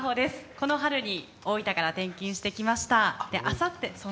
この春に大分から転勤してきました。